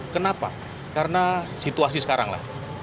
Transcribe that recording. kenapa karena situasi sekarang lah